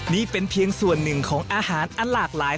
นี่เป็นเพียงส่วนหนึ่งของอาหารอันหลากหลาย